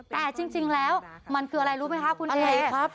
แต่จริงแล้วมันคืออะไรรู้ไหมคะคุณเอกครับ